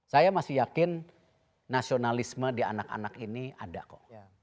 saya masih yakin nasionalisme di anak anak ini ada kok